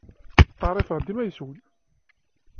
Steɛṛifeɣ dima yes-wen.